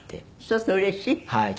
そうするとうれしい？